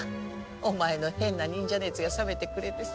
お前の変な忍者熱が冷めてくれてさ。